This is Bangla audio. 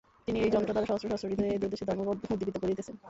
তিনি এই যন্ত্রদ্বারা সহস্র সহস্র হৃদয়ে এই দূরদেশে ধর্মভাব উদ্দীপিত করিতেছেন।